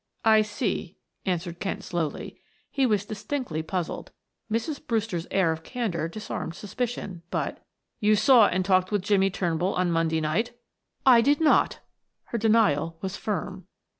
"I see," answered Kent slowly. He was distinctly puzzled; Mrs. Brewster's air of candor disarmed suspicion, but "You saw and talked with Jimmie Turnbull on Monday night?" "I did not." Her denial was firm.